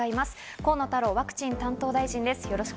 河野太郎ワクチン担当大臣です。